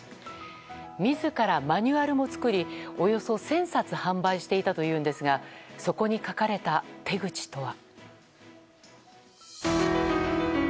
自らマニュアルも作りおよそ１０００冊販売していたというんですがそこに書かれた手口とは。